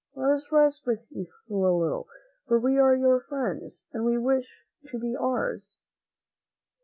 Let us rest with you a little, for we are your friends and we wish you to be ours."